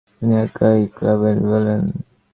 তিনি এই ক্লাবেই ছিলেন।